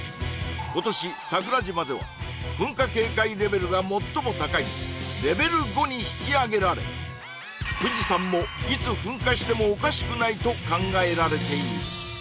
今年桜島では噴火警戒レベルが最も高いレベル５に引き上げられ富士山もいつ噴火してもおかしくないと考えられている